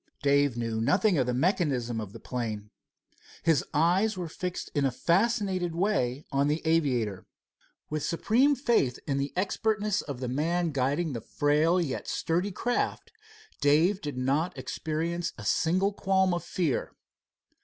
Dave knew nothing of the mechanism of the plane. His eyes were fixed in a fascinated way on the aviator. With supreme faith in the expertness of the man guiding the frail yet sturdy craft, Dave did not experience a single qualm of fear.